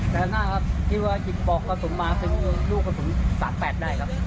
แต่หน้าครับที่ว่าหยิบปอกกระสุนมาถึงลูกกระสุน๓๘ได้ครับ